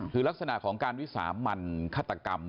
คือลักษณะของการวิสามันฆาตกรรม